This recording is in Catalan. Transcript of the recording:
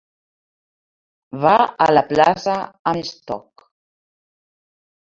Va a la plaça amb estoc.